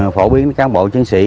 phổ biến các bộ chiến sĩ